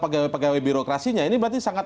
pegawai pegawai birokrasinya ini berarti sangat